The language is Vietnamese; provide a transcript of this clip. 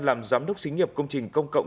làm giám đốc xính nghiệp công trình công cộng